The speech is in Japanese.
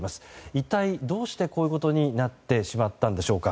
一体どうしてこういうことになってしまったのでしょうか。